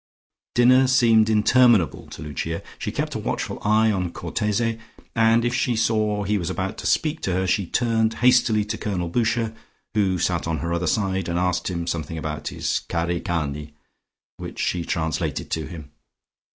Dinner seemed interminable to Lucia. She kept a watchful eye on Cortese, and if she saw he was about to speak to her, she turned hastily to Colonel Boucher, who sat on her other side, and asked him something about his cari cani, which she translated to him.